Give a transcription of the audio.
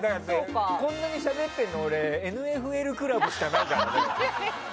こんなにしゃべってるの「ＮＦＬ倶楽部」しかないからね。